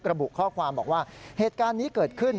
ระบุข้อความบอกว่าเหตุการณ์นี้เกิดขึ้น